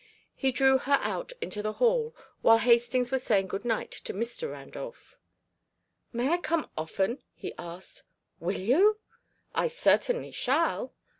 He drew her out into the hall while Hastings was saying good night to Mr. Randolph. "May I come often?" he asked. "Will you?" "I certainly shall."